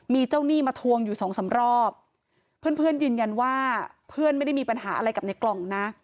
มีเจ้าหนี้มาทวงอยู่สองสามรอบเพื่อนเพื่อนยืนยันว่าเพื่อนไม่ได้มีปัญหาอะไรกับในกล่องนะ